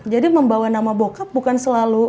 jadi membawa nama bokap bukan selalu